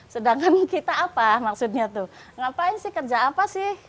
sedangkan kita apa maksudnya tuh ngapain sih kerja apa sih